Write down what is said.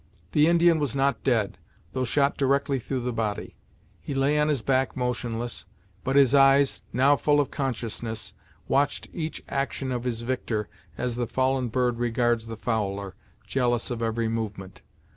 The Indian was not dead, though shot directly through the body. He lay on his back motionless, but his eyes, now full of consciousness, watched each action of his victor as the fallen bird regards the fowler jealous of every movement.